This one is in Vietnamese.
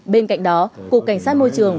bên cạnh đó cục cảnh sát môi trường